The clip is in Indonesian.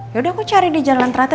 yaudah aku cari di jalan teratur